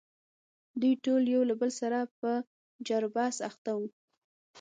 دوی ټول یو له بل سره په جر و بحث اخته وو.